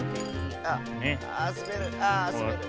あっすべる。